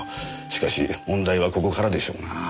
しかし問題はここからでしょうなぁ。